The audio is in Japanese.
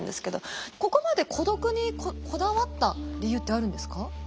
ここまで孤独にこだわった理由ってあるんですか？